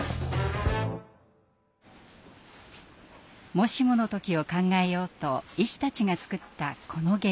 “もしも”の時を考えようと医師たちが作ったこのゲーム。